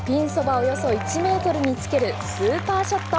およそ１ｍにつけるスーパーショット。